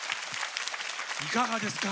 いかがですか？